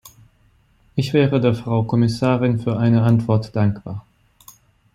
Ich wäre der Frau Kommissarin für eine Antwort dankbar.